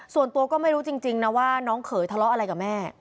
ส่วนตัวก็ไม่รู้จริงนะว่าน้องเขยทะเลาะอะไรกับแม่